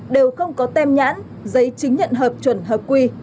đều không có tem nhãn giấy chứng nhận hợp chuẩn hợp quy